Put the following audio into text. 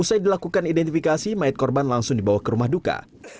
usai dilakukan identifikasi mayat korban langsung dibawa ke rumah duka